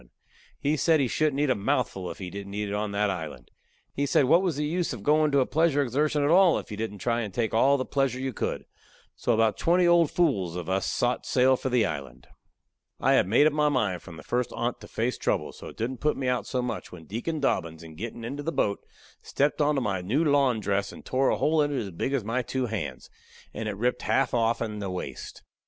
He said he shouldn't eat a mouthful if he didn't eat it on that island. He said what was the use of going to a pleasure exertion at all if you didn't try to take all the pleasure you could. So about twenty old fools of us sot sail for the island. I had made up my mind from the first on't to face trouble, so it didn't put me out so much when Deacon Dobbins, in gettin' into the boat, stepped onto my new lawn dress and tore a hole in it as big as my two hands, and ripped it half offen the waist.